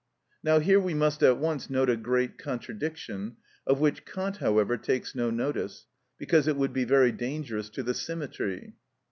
Now here we must at once note a great contradiction, of which Kant, however, takes no notice, because it would be very dangerous to the symmetry.